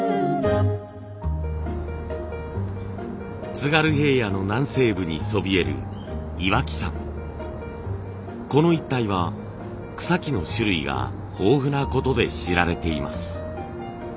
津軽平野の南西部にそびえるこの一帯は草木の種類が豊富なことで知られています。